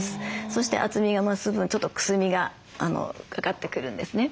そして厚みが増す分ちょっとくすみがかかってくるんですね。